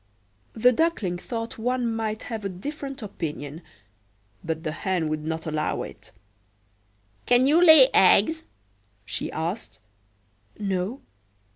The Duckling thought one might have a different opinion, but the Hen would not allow it."Can you lay eggs?" she asked,"No."